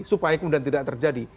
supaya kemudian tidak terjadi